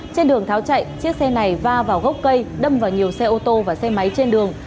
trên đường tháo chạy chiếc xe này va vào gốc cây đâm vào nhiều xe ô tô và xe máy trên đường